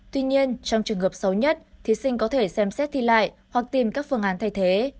tuy nhiên trong trường hợp xấu nhất thí sinh có thể xem xét thi lại hoặc tìm các phương án thay thế